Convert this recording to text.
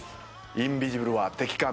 インビジブルは敵か？